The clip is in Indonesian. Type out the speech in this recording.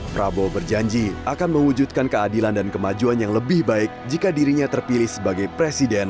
prabowo berjanji akan mewujudkan keadilan dan kemajuan yang lebih baik jika dirinya terpilih sebagai presiden